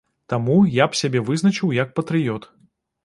Таму я б сябе вызначыў як патрыёт.